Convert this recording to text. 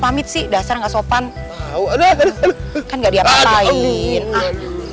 pamit sih dasar nggak sopan kan enggak diapain aneh